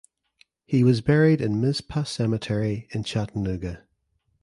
He was buried in Mizpah Cemetery in Chattanooga.